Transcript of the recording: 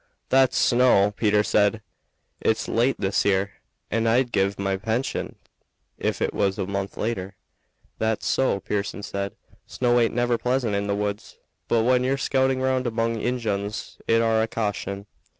"That's snow," Peter said. "It's late this year, and I'd give my pension if it was a month later." "That's so," Pearson said. "Snow aint never pleasant in the woods, but when you're scouting round among Injuns it are a caution.